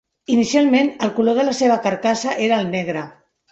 Inicialment, el color de la seva carcassa era el negre.